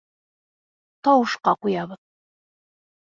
Тауышҡа ҡуябыҙ!